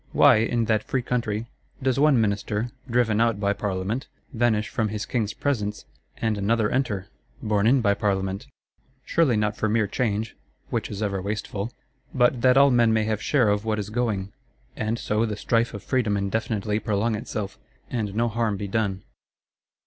Why, in that free country, does one Minister, driven out by Parliament, vanish from his King's presence, and another enter, borne in by Parliament? Surely not for mere change (which is ever wasteful); but that all men may have share of what is going; and so the strife of Freedom indefinitely prolong itself, and no harm be done.